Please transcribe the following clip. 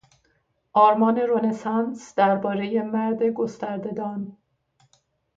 آرمان رنسانس دربارهی مرد گسترده دان